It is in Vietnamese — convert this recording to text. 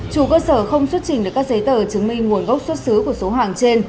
chủ cơ sở không xuất trình được các giấy tờ chứng minh nguồn gốc xuất xứ của số hàng trên